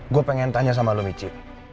gue pengen tanya sama lo mici